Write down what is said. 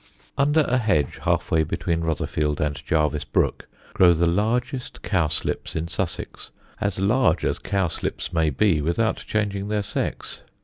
Under a hedge half way between Rotherfield and Jarvis Brook grow the largest cowslips in Sussex, as large as cowslips may be without changing their sex.